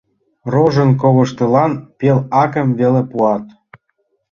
Рожын коваштылан пел акым веле пуат.